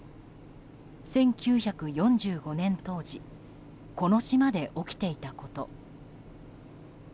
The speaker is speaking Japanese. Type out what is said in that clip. １９４５年当時この島で起きていたこと。